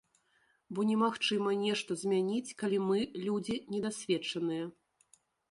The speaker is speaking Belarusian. Бо немагчыма нешта змяніць, калі мы людзі недасведчаныя.